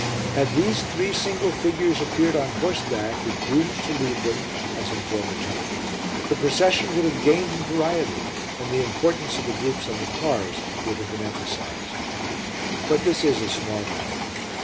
Had these three single figures appeared on horseback with grooms to lead them, as in former times, the procession would have gained in variety and the importance of the groups on the cars would have been emphasized. But this is a small matter.